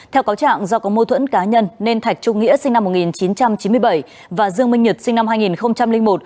theo cáo trạng do có mô thuẫn cá nhân nên thạch trung nghĩa sinh năm một nghìn chín trăm chín mươi bảy và dương minh nhật sinh năm hai nghìn một